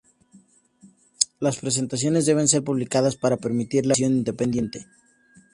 Las presentaciones deben ser publicadas para permitir la verificación independiente.